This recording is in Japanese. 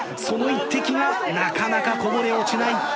その一滴がなかなかこぼれ落ちない。